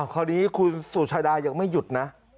คราวนี้คุณสุชาดายังไม่หยุดนะ